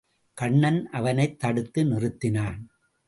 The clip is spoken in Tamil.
கண்ணன் அவனைத் தடுத்து நிறுத்தினான்.